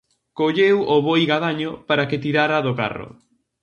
Colleu o boi gadaño para que tirara do carro.